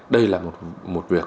đây là một việc